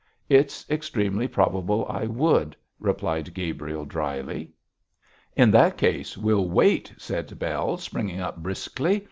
'It's extremely probable I would,' replied Gabriel, dryly. 'In that case we'll wait,' said Bell, springing up briskly.